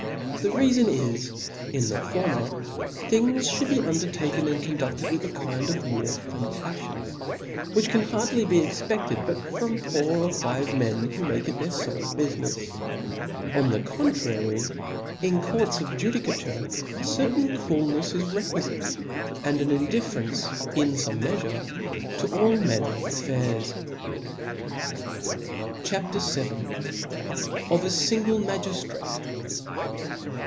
The, reafon is, in the former, ^^^*• things ftiould be undertaken and conduced with a kind of warmth and paflion, which can hardly be expeftcd, but from four or five men who make it their folc bufirrefs. On the contrary, in courts of ju dicature a certain coolnefs is requifite, and an indif ferencet in fome meafure, to all manner of affiiirs. C rt A P. VII. Of a Jingle Magtjirate.